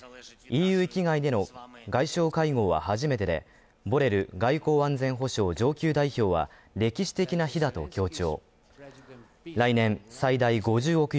ＥＵ域外での外相会合は初めてで、ボレル外交安全保障上級代表は歴史的な日だと強調。